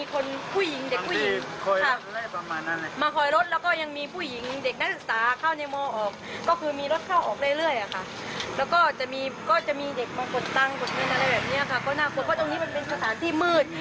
ก็น่าควรเพราะตรงนี้มันเป็นสถานที่มืด